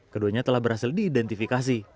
keduanya telah berhasil diidentifikasi